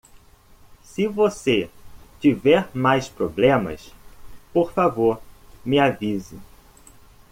Se você tiver mais problemas?, por favor me avise.